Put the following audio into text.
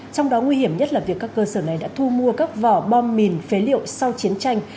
trong đó nguy hiểm nhất là việc các cơ sở này đã thu mua các vỏ bom mìn phế liệu sau chiến tranh